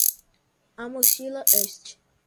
A mochila est